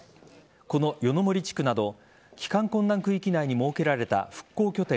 この夜の森地区など帰還困難区域内に設けられた復興拠点